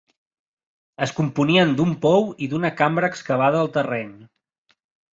Es componien d'un pou i d'una cambra excavada al terreny.